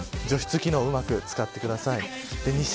除湿機能をうまく使ってください。